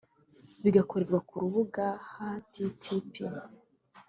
bigakorerwa ku rubuga http